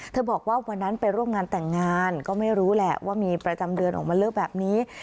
บอกว่าวันนั้นไปร่วมงานแต่งงานก็ไม่รู้แหละว่ามีประจำเดือนออกมาเลิกแบบนี้